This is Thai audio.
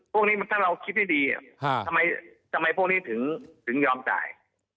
พวกนี้ถ้าเราคิดให้ดีทำไมพวกนี้ถึงยอมจ่าย